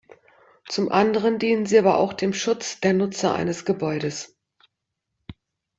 Zum anderen dienen sie aber auch dem Schutz der Nutzer eines Gebäudes.